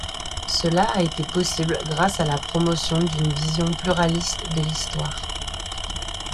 Cela a été possible grâce à la promotion d’une vision pluraliste de l’histoire.